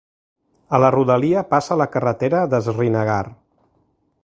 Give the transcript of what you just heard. A la rodalia passa la carretera de Srinagar.